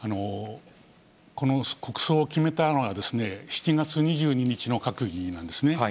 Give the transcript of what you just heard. この国葬を決めたのは７月２２日の閣議なんですね。